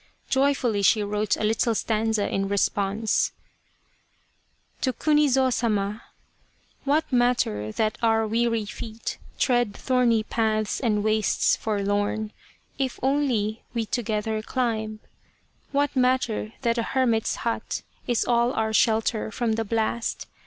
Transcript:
Joy fully she wrote a little stanza in response : To KUNIZO SAMA What matter that our weary feet Tread thorny paths and wastes forlorn If only we together climb ? What matter that a hermit's hut Is all our shelter from the blast